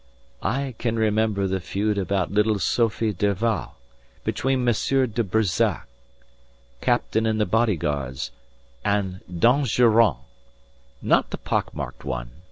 "I can remember the feud about little Sophie Derval between Monsieur de Brissac, captain in the Bodyguards and d'Anjorrant. Not the pockmarked one.